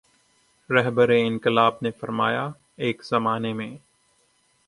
رہبرانقلاب نے فرمایا ایک زمانے میں